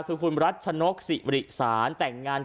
คือคุณรัชนนกษิหริสาร